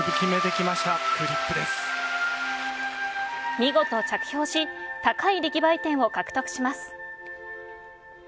見事着氷し高い出来栄え点を獲得します。